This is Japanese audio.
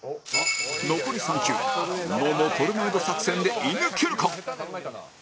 残り３球野茂トルネード作戦で射抜けるか？